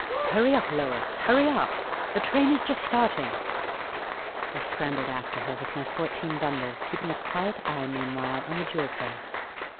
Hurry up, Lois ; hurry up ! the train is just starting !" I scrambled after her, with my fourteen bundles, keeping a quiet eye meanwhile on the jewel case.